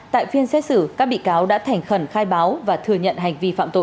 tại phiên xét xử các bị cáo đã thành khẩn khai báo và thừa nhận hành vi phạm tội